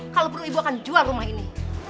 kalau perlu ibu akan jual rumah ini